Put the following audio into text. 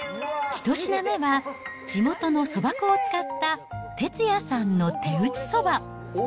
１品目は地元のそば粉を使った哲也さんの手打ちそば。